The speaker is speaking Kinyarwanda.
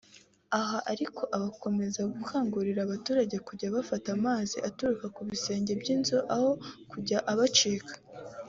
Aha ariko akomeza gukangurira abaturage kujya bafata amazi aturuka ku bisenge by’amazu aho kujya abacika